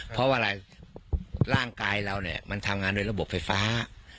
เพราะว่าร่างกายเรามันทำงานโดยระบบไฟฟ้า